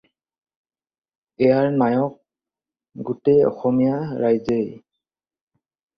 ইয়াৰ নায়ক গোটেই অসমীয়া ৰাইজেই।